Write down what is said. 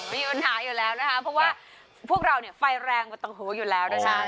มีปัญหาอยู่แล้วนะคะเพราะว่าพวกเราเนี่ยไฟแรงกว่าตังหูอยู่แล้วนะคะ